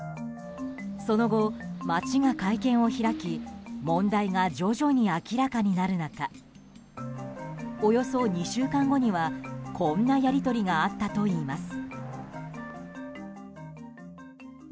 その後、町が会見を開き問題が徐々に明らかになる中およそ２週間後にはこんなやり取りがあったといいます。